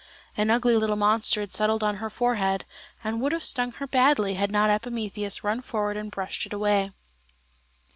An ugly little monster had settled on her forehead, and would have stung her badly had not Epimetheus run forward and brushed it away.